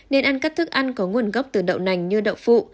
nên ăn các thức ăn có nguồn gốc từ đậu nành như đậu phụ